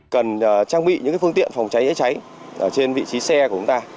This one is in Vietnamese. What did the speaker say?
cần trang bị những phương tiện phòng cháy cháy trên vị trí xe của chúng ta